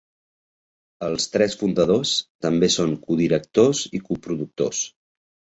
Els tres fundadors també són codirectors i coproductors.